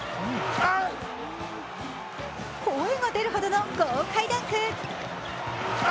声が出るほどの豪快ダンク。